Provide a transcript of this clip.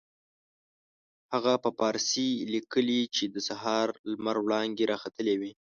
هغه په فارسي لیکلي چې د سهار لمر وړانګې را ختلې وې.